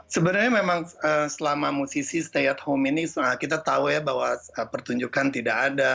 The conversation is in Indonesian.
sebenarnya memang selama musisi stay at home ini kita tahu ya bahwa pertunjukan tidak ada